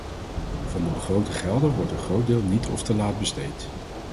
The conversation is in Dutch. Van de begrote gelden wordt een groot deel niet of te laat besteed.